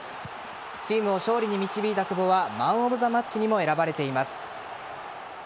チームを勝利に導いた久保はマン・オブ・ザ・マッチにも選ばれています。